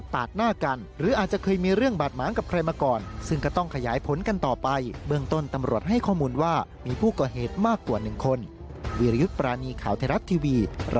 โปรดติดตามตอนต่อไป